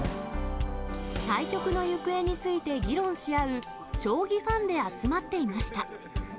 対局の行方について議論しあう将棋ファンで集まっていました。